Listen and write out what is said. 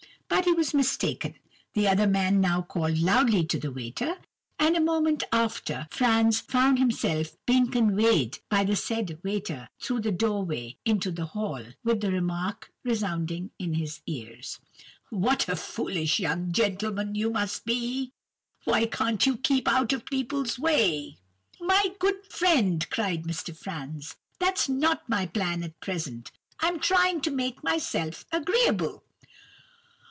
But he was mistaken. The other man now called loudly to the waiter, and a moment after, Franz found himself being conveyed by the said waiter through the doorway into the hall, with the remark resounding in his ears:— "'What a foolish young gentleman you must be! Why can't you keep out of people's way?' "'My good friend,' cried Mr. Franz, 'that's not my plan at present. I'm trying to make myself agreeable.